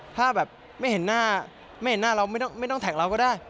ถ้าแบบไม่เห็นหน้าเราไม่ต้องแท็กเราก็ได้